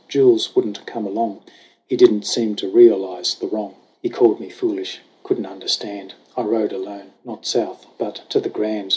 Jules wouldn't come along ; He didn't seem to realize the wrong; I2 4 SONG OF HUGH GLASS He called me foolish, couldn't understand. I rode alone not south, but to the Grand.